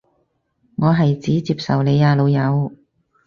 我係指接受你啊老友